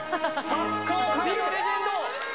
サッカー界のレジェンド！